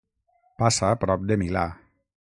Passa prop de Milà.